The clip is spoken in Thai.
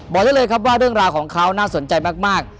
ได้เลยครับว่าเรื่องราวของเขาน่าสนใจมาก